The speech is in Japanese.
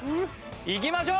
いきましょう！